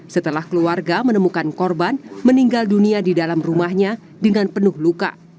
setelah keluarga menemukan korban meninggal dunia di dalam rumahnya dengan penuh luka